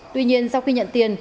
tuy nhiên sau khi nhận tiền